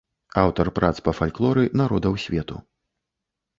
Аўтар прац па фальклоры народаў свету.